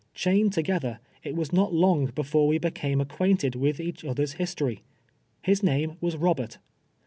Chained together, it was not long before we became acquainted with each other's history. His name was Eobert.